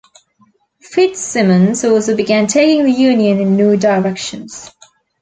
Fitzsimmons also began taking the union in new directions.